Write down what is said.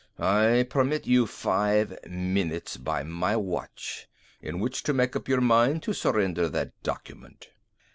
I permit you five minutes by my watch in which to make up your mind to surrender that document."